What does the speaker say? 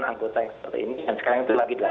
anggota yang seperti ini dan sekarang itu lagi